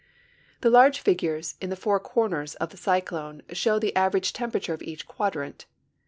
The large figures in the four quarters of the cyclone show the average temperature of each quadrant.